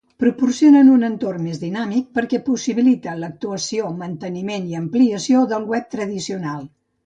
Proporcionen un entorn més dinàmic perquè possibilita l’actualització, manteniment i ampliació del web tradicional.